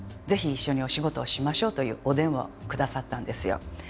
「ぜひ一緒にお仕事をしましょう」というお電話を下さったんですよ。